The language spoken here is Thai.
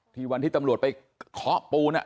ทีวันที่ตำรวจไปกระเทาะปูนอ่ะ